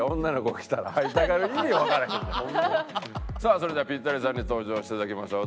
さあそれではピッタリさんに登場して頂きましょう。